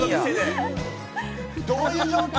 「どういう状況？」